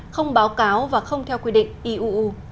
không báo cáo và không theo quy định iuu